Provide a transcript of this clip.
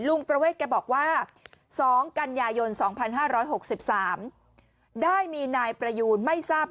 ประเวทแกบอกว่า๒กันยายน๒๕๖๓ได้มีนายประยูนไม่ทราบ